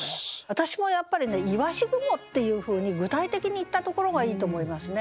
私もやっぱりね「鰯雲」っていうふうに具体的に言ったところがいいと思いますね。